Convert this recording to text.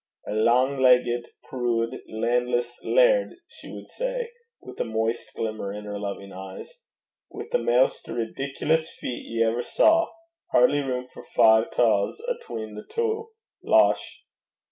'A lang leggit, prood, landless laird,' she would say, with a moist glimmer in her loving eyes, 'wi' the maist ridiculous feet ye ever saw hardly room for the five taes atween the twa! Losh!'